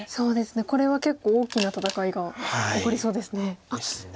これは結構大きな戦いが起こりそうですね。